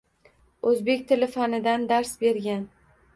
O‘zbek tili fanidan dars bergan.